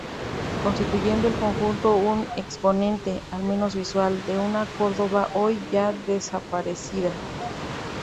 Constituyendo el conjunto un exponente, al menos visual, de una Córdoba hoy ya desaparecida.